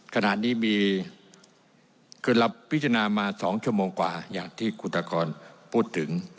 ขณะนี้มีคือเราพิจารณามา๒ชั่วโมงกว่าอย่างที่คุณตากรพูดถึง